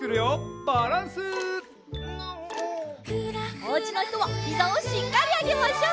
おうちのひとはひざをしっかりあげましょう！